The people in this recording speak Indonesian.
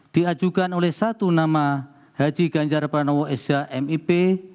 diajukan oleh satu nama haji ganjar panowo esa mip